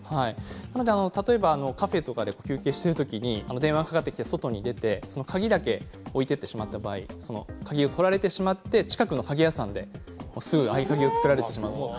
例えばカフェとかで休憩している時に電話がかかってきて外に出て鍵だけを置いていってしまった場合鍵を取られて近くの鍵屋さんですぐ合鍵を作られてしまう。